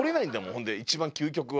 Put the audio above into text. ほんで一番究極は。